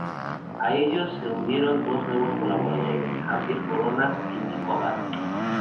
A ellos se unieron dos nuevos colaboradores: Javier Coronas y Nico Abad.